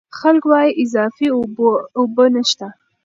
خلک وايي اضافي اوبه نشته.